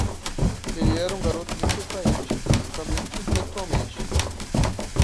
Ele era um garoto muito atraente, fisicamente e intelectualmente.